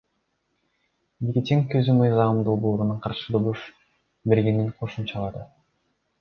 Никитенко өзү мыйзам долбооруна каршы добуш бергенин кошумчалады.